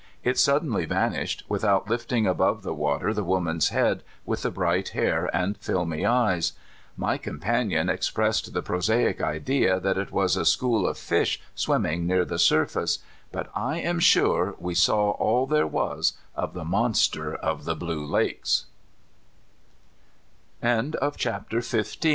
It suddenly vanished, without lifting above the water the woman's head with the bright hair and filmy eyes. My companion expressed the prosaic idea that it was a school offish swimming near the biirface, but I am sure we saw all there was of th